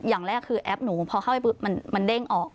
อย่างแรกคือแอปหนูพอเข้าไปปุ๊บมันเด้งออก